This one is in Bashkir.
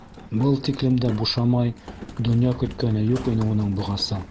Был тиклем дә бушамай донъя көткәне юҡ ине уның бығаса.